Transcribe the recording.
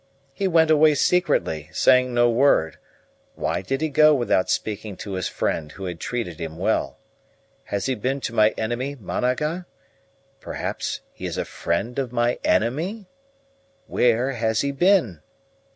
He went away secretly, saying no word; why did he go without speaking to his friend who had treated him well? Has he been to my enemy Managa? Perhaps he is a friend of my enemy? Where has he been?